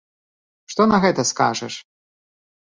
Што на гэта скажаш?